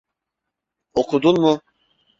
Okudun mu?